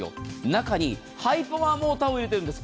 中にハイパワーモーターを入れているんです。